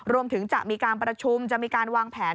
รวมถึงจะมีการประชุมจะมีการวางแผน